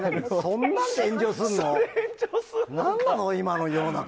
そんなんで炎上するの？